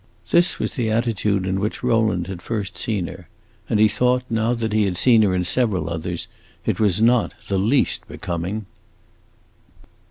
This was the attitude in which Rowland had first seen her, and he thought, now that he had seen her in several others, it was not the least becoming.